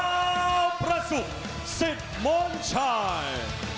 ดาวพระสุกสิทธิ์มนต์ชาย